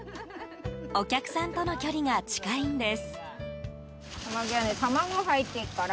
お客さんとの距離が近いんです。